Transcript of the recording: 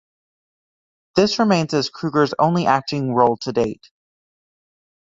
This remains as Kruger's only acting role to date.